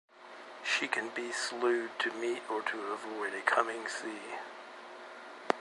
She can be slewed to meet or to avoid a coming sea.